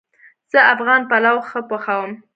زه افغان پلو ښه پخوم